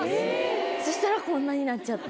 そしたらこんなになっちゃって。